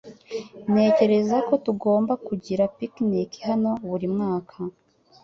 Ntekereza ko tugomba kugira picnic hano buri mwaka.